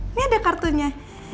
ini ada kartunya